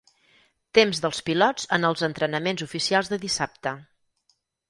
Temps dels pilots en els entrenaments oficials de dissabte.